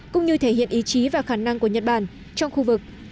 cũng như thể hiện ý chí và khả năng của nhật bản trong khu vực